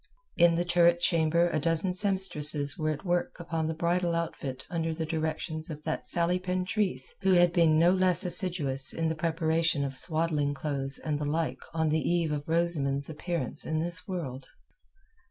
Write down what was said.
In the turret chamber a dozen sempstresses were at work upon the bridal outfit under the directions of that Sally Pentreath who had been no less assiduous in the preparation of swaddling clothes and the like on the eve of Rosamund's appearance in this world.